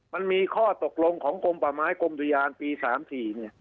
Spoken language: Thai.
มันมีข้อตกลงของกรมป่าไม้กรมอุทยานปี๓๔เนี่ย